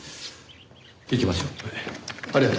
行きましょう。